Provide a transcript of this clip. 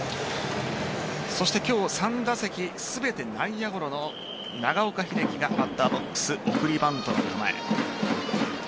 そして今日３打席全て内野ゴロの長岡秀樹がバッターボックス送りバントの構え。